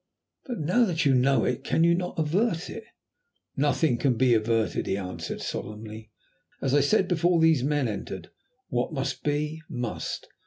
"But now that you know it, can you not avert it?" "Nothing can be averted," he answered solemnly. "As I said before these men entered, what must be, must.